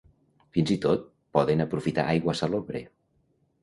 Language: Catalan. Fins i tot, poden aprofitar aigua salobre.